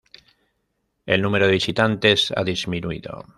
El número de visitantes ha disminuido.